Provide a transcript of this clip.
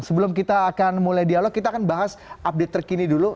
sebelum kita akan mulai dialog kita akan bahas update terkini dulu